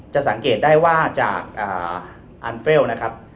จะสังเกตได้ว่าจากอันเฟลนะครับ